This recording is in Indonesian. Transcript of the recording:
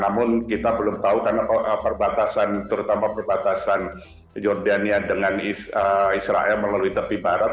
namun kita belum tahu karena perbatasan terutama perbatasan jordania dengan israel melalui tepi barat